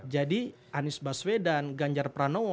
jadi anies baswedan ganjar pranowo